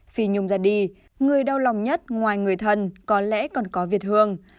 phi nhung ra đi người đau lòng nhất ngoài người thân có lẽ còn có việt hương